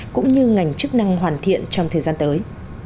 cũng như ngành chức năng hoàn thiện trong thời gian tới